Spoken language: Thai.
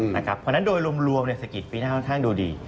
เพราะฉะนั้นโดยรวมเศรษฐกิจปีหน้าค่อนข้างดูดี